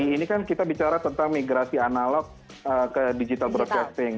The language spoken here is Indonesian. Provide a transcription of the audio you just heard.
ini kan kita bicara tentang migrasi analog ke digital broadcasting